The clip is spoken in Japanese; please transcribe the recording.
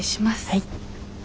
はい。